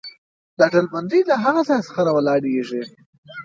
دا ډلبندي له هغه ځایه راولاړېږي.